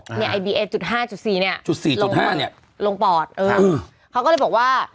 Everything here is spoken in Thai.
ไอบีเอจุดห้าจุดสี่เนี้ยจุดสี่จุดห้าเนี้ยลงปอดเออเขาก็เลยบอกว่า